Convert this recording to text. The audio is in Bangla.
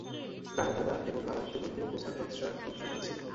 তার দাদা এবং বাবা ইতিমধ্যেই কোসা নস্ট্রার অংশ ছিলেন।